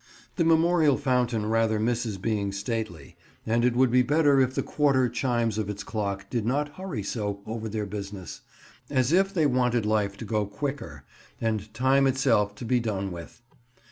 The Memorial Fountain rather misses being stately, and it would be better if the quarter chimes of its clock did not hurry so over their business, as if they wanted life to go quicker, and time itself to be done with.